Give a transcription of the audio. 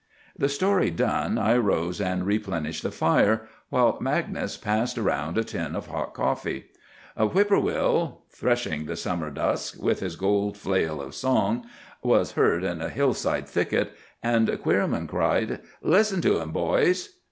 The story done, I rose and replenished the fire, while Magnus passed around a tin of hot coffee. A whippoorwill,— "Threshing the summer dusk With his gold flail of song," was heard in a hillside thicket, and Queerman cried,— "Listen to him, boys!"